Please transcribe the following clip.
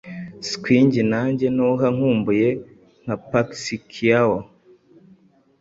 Swing nanjye nuh nkumbuye nka Pacquiao